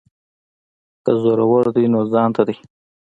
که زورور دی نو ځانته دی.